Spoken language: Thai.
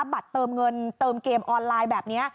บัตรเติมเงินเติมเกมออนไลน์แบบนี้